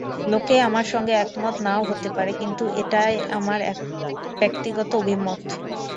লোকে আমার সঙ্গে একমত না-ও হতে পারে, কিন্তু আমার ব্যক্তিগত অভিমত এটাই।